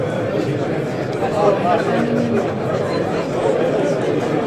Koomípanine noʼó taná.